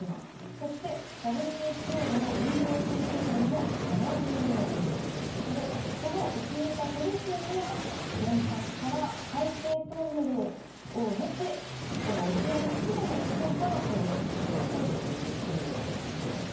そして、ＷＨＯの飲料水基準の７分の１ということでこの薄めた処理水を原発から海底トンネルを経て沖合１ｋｍの地点から放出しようとしているという方針なんです。